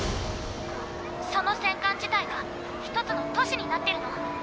その戦艦自体が１つの都市になってるの。